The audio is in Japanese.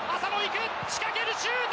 仕掛ける、シュート！